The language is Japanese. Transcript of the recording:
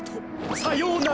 さようなら。